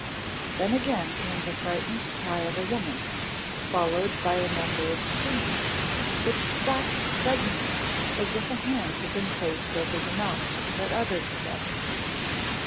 Then again came the frightened cry of a woman, followed by a number of screams, which stopped suddenly as if a hand had been placed over the mouth that uttered them.